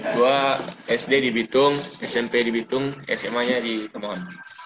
dua sd di bitung smp di bitung sma nya di kemohon